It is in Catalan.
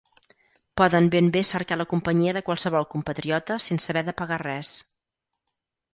Poden ben bé cercar la companyia de qualsevol compatriota sense haver de pagar res.